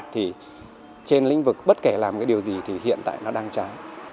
thì trên lĩnh vực bất kể làm cái điều gì thì hiện tại nó đang trái